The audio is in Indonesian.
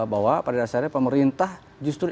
bahwa pada dasarnya pemerintah justru